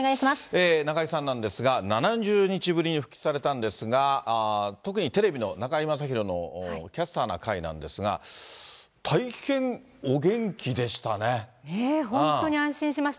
中居さんなんですが、７０日ぶりに復帰されたんですが、特にテレビの中居正広のキャスターな会なんですが、大変お元気でねぇ、本当に安心しました。